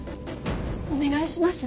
お願いします。